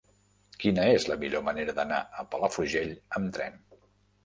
Quina és la millor manera d'anar a Palafrugell amb tren?